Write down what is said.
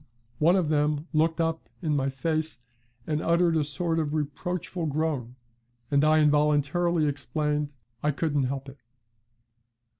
One of them looked up in my face and uttered a sort of reproachful groan, and I involuntarily exclaimed, 'I couldn't help it.'